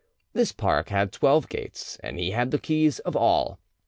This park had twelve gates, and he had the keys of all.